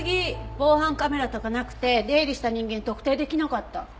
防犯カメラとかなくて出入りした人間特定できなかった。